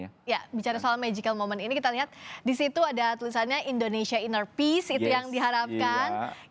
ya bicara soal magical moment ini kita lihat di situ ada tulisannya indonesia inner peace itu yang diharapkan